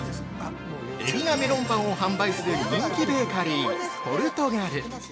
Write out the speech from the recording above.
◆海老名メロンパンを販売する人気ベーカリー「ぽるとがる」。